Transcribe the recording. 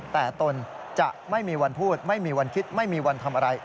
แต่ตนจะไม่มีวันพูดไม่มีวันคิดไม่มีวันทำอะไร